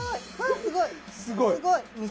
すごい！